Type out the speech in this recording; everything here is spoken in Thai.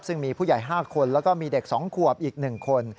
ซึ่งมีผู้ใหญ่๕คนแล้วก็มีเด็ก๒ขวบอีก๑คน